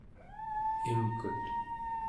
imkut